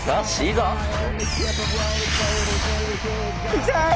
行きたい！